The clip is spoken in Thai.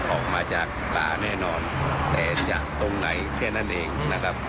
ออกมาจากป่าแน่นอนแต่จะตรงไหนแค่นั้นเองนะครับ